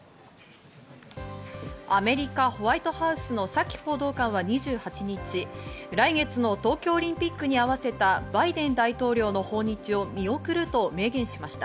アメリカ、ホワイトハウスのサキ報道官は２８日、来月の東京オリンピックに合わせたバイデン大統領の訪日を見送ると明言しました。